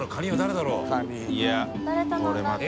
いこれまた。